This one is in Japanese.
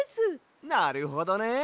なるほどね！